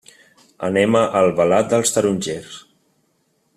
Anem a Albalat dels Tarongers.